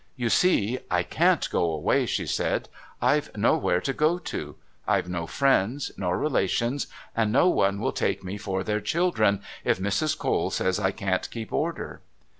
"You see, I can't go away," she said. "I've nowhere to go to. I've no friends, nor relations, and no one will take me for their children, if Mrs. Cole says I can't keep order."